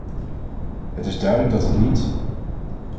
Het is duidelijk dat het niet...